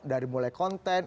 dari mulai konten